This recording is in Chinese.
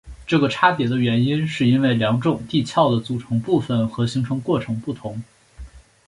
这个差别的原因是因为两种地壳的组成部分和形成过程不同。